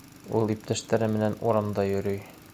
— Ул иптәштәре менән урамда йөрөй.